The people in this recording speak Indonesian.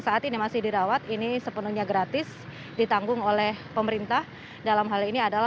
saat ini masih dirawat ini sepenuhnya gratis ditanggung oleh pemerintah dalam hal ini adalah